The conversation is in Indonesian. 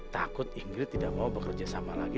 takut inggris tidak mau bekerja sama lagi